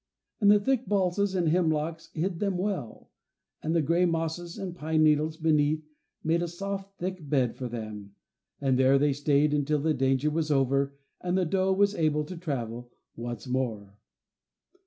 And the thick balsams and hemlocks hid them well, and the gray mosses and pine needles beneath made a soft thick bed for them, and there they stayed until the danger was over and the doe was able to travel once more.